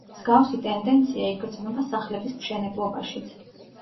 მსგავსი ტენდენცია იგრძნობა სახლების მშენებლობაშიც.